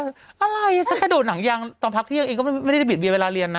ฉันก็เลยบอกว่าอะไรฉันแค่โดดหนังยางตอนพักเที่ยงเองก็ไม่ได้บีดเบียนเวลาเรียนนะ